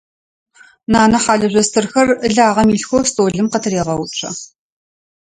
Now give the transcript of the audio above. Нанэ хьалыжъо стырхэр лагъэм илъхэу столым къытырегъэуцо.